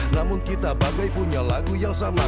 namun kita bagai punya lagu yang sama